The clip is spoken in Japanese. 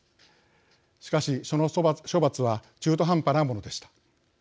しかしその処罰は中途半端なものでした。